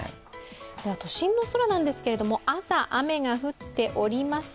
都心の空なんですけれども朝雨が降っております。